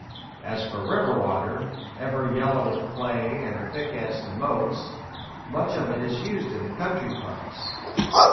As for river water, ever yellow with clay, and thick as to motes, much of it is used in the country parts.